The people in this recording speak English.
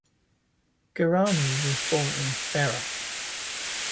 Guarini was born in Ferrara.